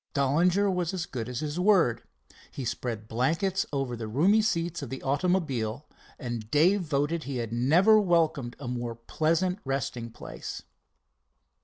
Dollinger was as good as his word. He spread blankets over the roomy seats of the automobile, and Dave voted he had never welcomed a more pleasant resting place.